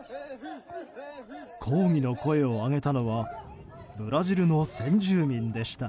抗議の声を上げたのはブラジルの先住民でした。